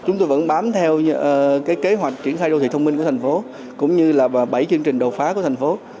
chúng tôi vẫn bám theo kế hoạch triển khai đô thị thông minh của thành phố cũng như là bảy chương trình đầu phá của thành phố